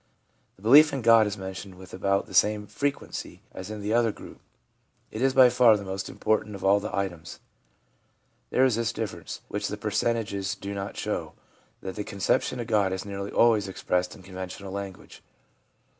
The belief in God is mentioned with about the same frequency as in the other group. It is by far the most important of all the items. There is this difference, which the percentages do not show, that the conception of God is nearly always expressed in conventional language.